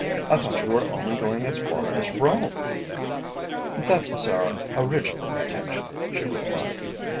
"I thought you were only going as far as Rome?" "That was our original intention," she replied.